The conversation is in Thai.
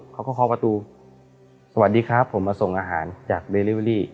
เขาก็เคาะประตูสวัสดีครับผมมาส่งอาหารจากเบลิเวอรี่